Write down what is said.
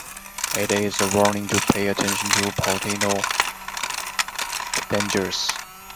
It is a warning to pay attention to potential dangers.